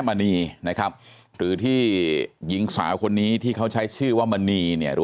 มณีนะครับหรือที่หญิงสาวคนนี้ที่เขาใช้ชื่อว่ามณีเนี่ยหรือ